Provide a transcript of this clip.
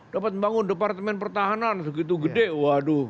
dapat membangun departemen pertahanan segitu gede waduh